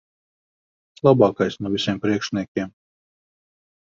Labākais no visiem priekšniekiem.